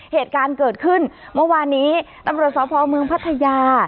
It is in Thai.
เหตุการณ์เกิดขึ้นเมื่อวานนี้ตำรวจสพเมืองพัทยา